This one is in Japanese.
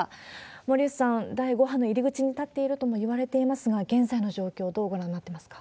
森内さん、第５波の入り口に立っているともいわれていますが、現在の状況、どうご覧になってますか？